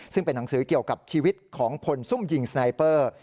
ซึ่งเป็นหนังสือเกี่ยวกับชีวิตของพลซุ่มยิงสไนเปอร์